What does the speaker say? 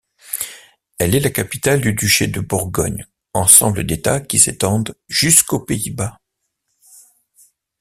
Elle est la capitale du duché de Bourgogne, ensemble d'États qui s'étendent jusqu'aux Pays-Bas.